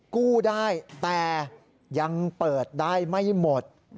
กู้ได้แต่ยังเปิดได้ไม่หมด